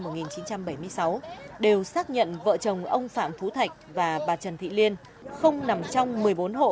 tức là trong chính quyền xác nhận là cái đất đấy là đất bà trần thị liên khai hoang đúng không ạ